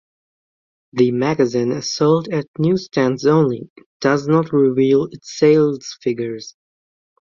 The magazine is sold at newsstands only and does not reveal its sales figures.